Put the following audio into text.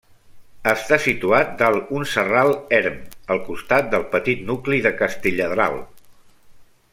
Està situat dalt un serral erm, al costat del petit nucli de Castelladral.